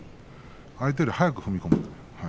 相手より速く踏み込まないと。